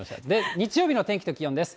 日曜日の天気と気温です。